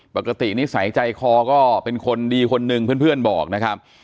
นิสัยใจคอก็เป็นคนดีคนนึงเพื่อนบอกนะครับ